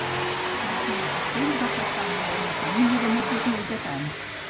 Martina Castells va pertànyer a una família de metges lleidatans.